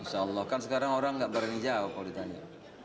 insya allah kan sekarang orang nggak berani jauh kalau ditanya